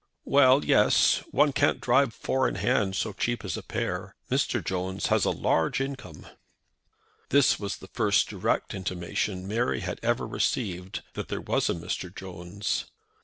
"Well, yes. One can't drive four in hand so cheap as a pair. Mr. Jones has a large income." This was the first direct intimation Mary had ever received that there was a Mr. Jones.